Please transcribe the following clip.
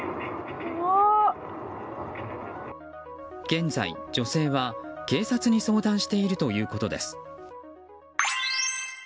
現在、女性は警察に相談しているということです。